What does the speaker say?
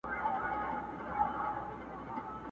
کله کله به یادیږي زما بوډۍ کیسې نیمګړي!.